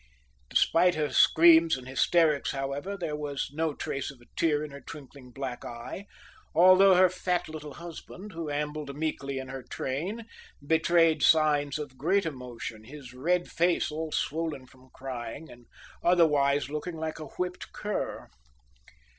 Despite her screams and hysterics, however, there was no trace of a tear in her twinkling black eyes, although her fat little husband, who ambled meekly in her train, betrayed signs of great emotion, his red face all swollen from crying, and otherwise looking like a whipped cur.